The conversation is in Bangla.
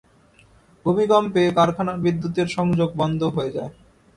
ভূমিকম্পে কারখানার বিদ্যুতের সংযোগ বন্ধ হয়ে যায়।